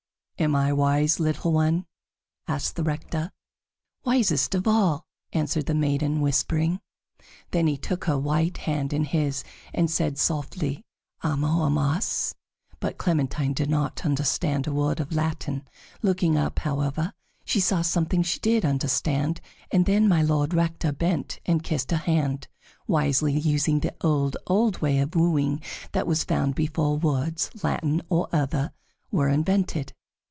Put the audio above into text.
"Am I wise, little one?" asked the Rector. "Wisest of all," answered the maiden, whispering. Then he took her white hand in his and said softly, "Amo. Amas?" but Clementine did not understand a word of Latin. Looking up, however, she saw something she did understand, and then My Lord Rector bent and kissed her hand, wisely using the old, old way of wooing that was found before words, Latin or other, were invented.